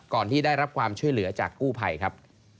ที่ได้รับความช่วยเหลือจากกู้ภัยครับ